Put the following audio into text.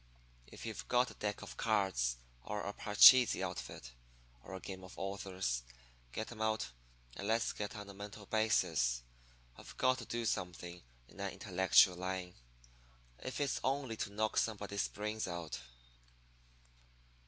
If you've got a deck of cards, or a parcheesi outfit, or a game of authors, get 'em out, and let's get on a mental basis. I've got to do something in an intellectual line, if it's only to knock somebody's brains out.'